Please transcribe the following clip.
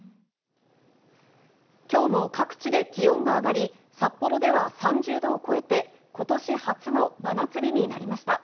きょうも各地で気温が上がり、札幌では３０度を超えて、ことし初の真夏日になりました。